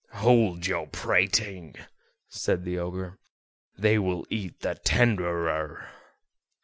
"Hold your prating," said the Ogre; "they will eat the tenderer.